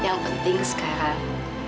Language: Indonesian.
yang penting sekarang